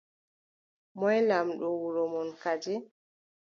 Moy lamɗo wuro mon kadi ?